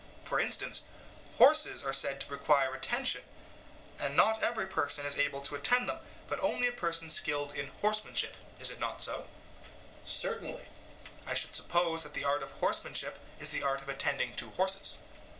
For instance, horses are said to require attention, and not every person is able to attend to them, but only a person skilled in horsemanship. Is it not so? EUTHYPHRO: Certainly. SOCRATES: I should suppose that the art of horsemanship is the art of attending to horses? EUTHYPHRO: Yes.